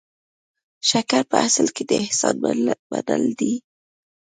شکر په اصل کې د احسان منل دي.